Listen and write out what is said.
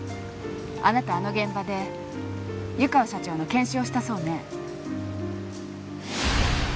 あなたあの現場で湯川社長の検視をしたそうね。